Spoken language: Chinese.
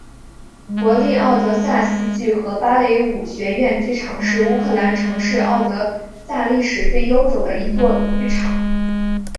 国立敖德萨戏剧和芭蕾舞学院剧场是乌克兰城市敖德萨历史最悠久的一座剧场。